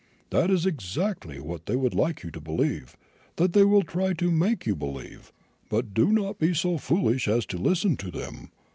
That is exactly what they would like you to believe what they will try to make you believe; but do not be so foolish as to listen to them.